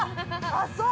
あっ、そう？